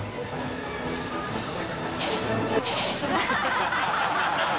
ハハハ